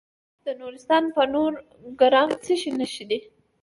د نورستان په نورګرام کې د څه شي نښې دي؟